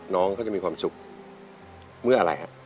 น้องก็จะมีความสุขเมื่ออะไรค่ะ